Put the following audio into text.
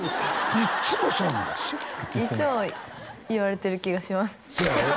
いつも言われてる気がしますそうやろ？